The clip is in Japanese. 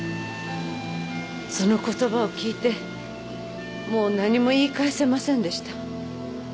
その言葉を聞いてもう何も言い返せませんでした。